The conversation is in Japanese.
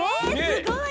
すごい！